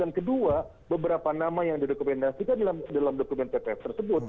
dan kedua beberapa nama yang didokumenasikan dalam dokumen ppf tersebut